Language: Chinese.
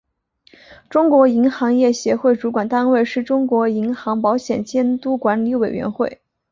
中国银行业协会主管单位是中国银行保险监督管理委员会。